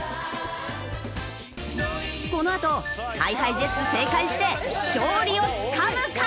このあとＨｉＨｉＪｅｔｓ正解して勝利をつかむか？